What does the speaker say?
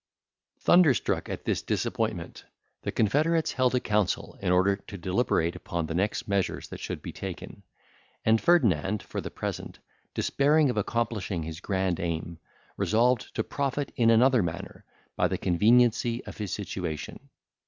Thunderstruck at this disappointment, the confederates held a council, in order to deliberate upon the next measures that should be taken; and Ferdinand, for the present, despairing of accomplishing his grand aim, resolved to profit in another manner, by the conveniency of his situation.